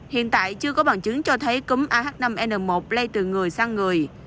hiện tại chưa có bằng chứng cho thấy cúng ah năm n một lây từ người sang người